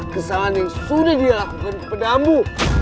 kesalahan yang sudah dilakukan pedambu